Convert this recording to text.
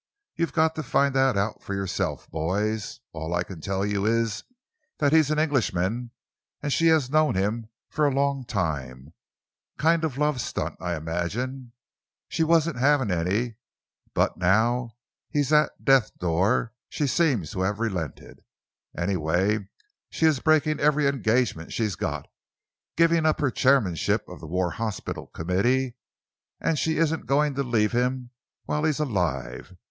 "You've got to find that out for yourself, boys. All I can tell you is that he's an Englishman, and she has known him for a long time kind of love stunt, I imagine. She wasn't having any, but now he's at death's door she seems to have relented. Anyway, she is breaking every engagement she's got, giving up her chairmanship of the War Hospitals Committee, and she isn't going to leave him while he's alive.